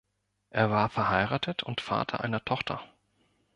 Er war verheiratet und Vater einer Tochter.